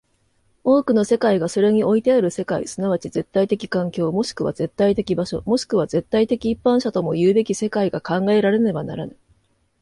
多くの世界がそれにおいてある世界即ち絶対的環境、もしくは絶対的場所、もしくは絶対的一般者ともいうべき世界が考えられねばならぬ。